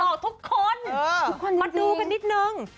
เออทุกคนจริงมาดูกันนิดหนึ่ง